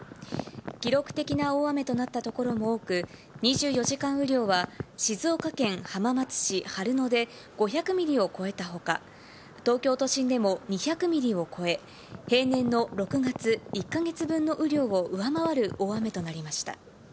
記録的な大雨となった所も多く、２４時間雨量は静岡県浜松市春野で５００ミリを超えたほか、東京都心でも２００ミリを超え、平年の６月１か月分の雨量を上回る大雨となりました。